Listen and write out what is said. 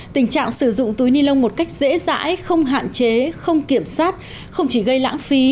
tình trạng sử dụng túi ni lông một cách dễ dãi không hạn chế không kiểm soát không chỉ gây lãng phí